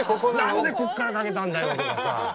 何でここからかけたんだよみたいなさ。